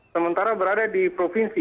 sementara berada di provinsi